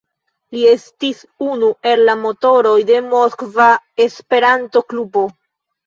Li estis unu el la motoroj de Moskva Esperanto-Klubo.